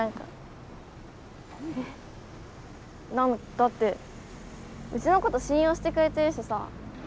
え⁉だってうちのこと信用してくれてるしさ。